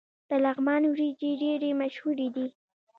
د لغمان وریجې ډیرې مشهورې دي.